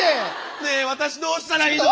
ねえ私どうしたらいいの？